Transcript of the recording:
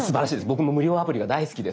僕も無料アプリが大好きです。